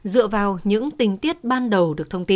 dựa vào những tình tiết ban đầu được thông tin